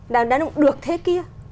đàn ông được thế kia